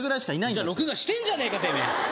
じゃあ録画してんじゃねえかてめえなんなの？